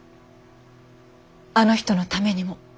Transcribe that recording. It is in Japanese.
あの人のためにも。